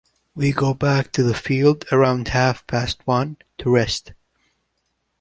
We go back to the field around half past one to rest.